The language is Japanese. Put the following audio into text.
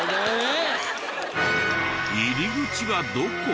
入り口はどこ？